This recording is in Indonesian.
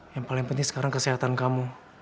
yang paling penting sekarang kesehatan kamu